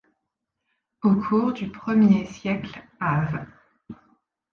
Au cours du Ier siècle av.